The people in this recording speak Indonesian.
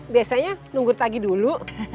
biasanya nunggu tagi dulu